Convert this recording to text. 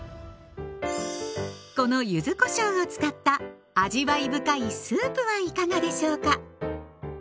この柚子こしょうを使った味わい深いスープはいかがでしょうか。